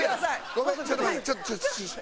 ごめんちょっと待って。